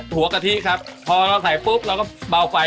ถั่วกะทิครับพอเราใส่พุทธเราก็เบาไฟ